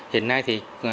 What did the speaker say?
hiện nay thì